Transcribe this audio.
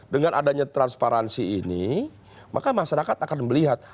dengan adanya transparansi ini maka masyarakat akan melihat